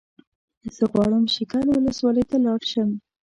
زه غواړم شیګل ولسوالۍ ته لاړ شم